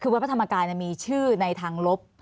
คือวัดพระธรรมกายมีชื่อในทางลบ